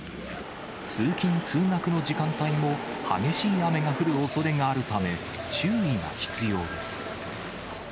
通勤・通学の時間帯も、激しい雨が降るおそれがあるため、注意が必要です。